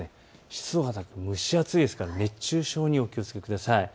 湿度が高く蒸し暑いですから熱中症にお気をつけください。